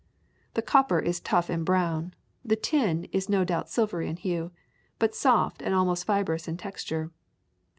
The copper is tough and brown, the tin is no doubt silvery in hue, but soft and almost fibrous in texture.